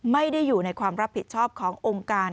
ไม่ได้อยู่ในความรับผิดชอบขององค์การ